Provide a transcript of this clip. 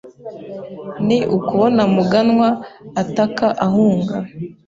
Ni ukubona Muganwa ataka ahunga